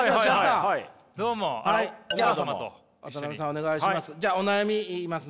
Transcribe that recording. お願いします。